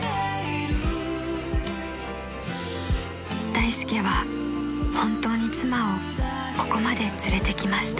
［大助は本当に妻をここまで連れてきました］